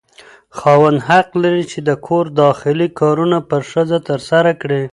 خاوند حق لري چې د کور داخلي کارونه پر ښځه ترسره کړي.